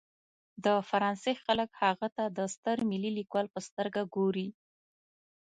د فرانسې خلک هغه ته د ستر ملي لیکوال په سترګه ګوري.